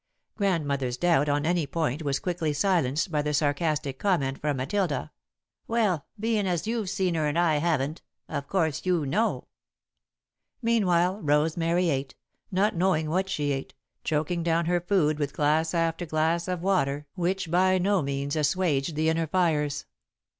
Grandmother's doubt on any one point was quickly silenced by the sarcastic comment from Matilda: "Well, bein' as you've seen her and I haven't, of course you know." [Sidenote: Under the Ban] Meanwhile Rosemary ate, not knowing what she ate, choking down her food with glass after glass of water which by no means assuaged the inner fires.